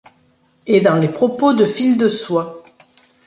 Et dans les propos de Fil-De-Soie.